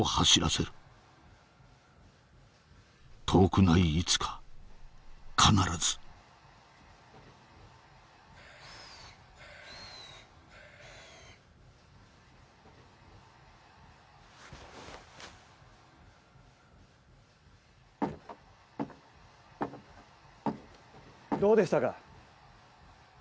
遠くないいつか必ずどうでしたか？